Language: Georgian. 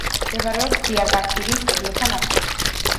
მდებარეობს დიარბაქირის კედლებთან ახლოს.